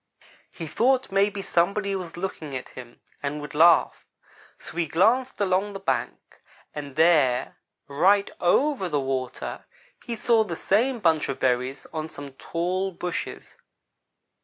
"He thought maybe somebody was looking at him and would laugh, so he glanced along the bank. And there, right over the water, he saw the same bunch of berries on some tall bushes.